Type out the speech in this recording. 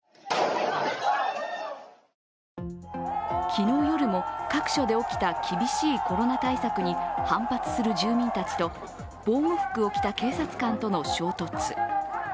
昨日夜も各所で起きた厳しいコロナ対策に反発する住民たちと防護服を着た警察官との衝突。